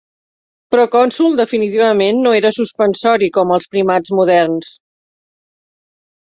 Proconsul definitivament no era suspensori com els primats moderns.